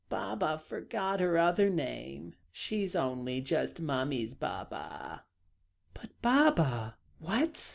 "Baba's forgot her other name she's only just Mummy's Baba." "But Baba what?"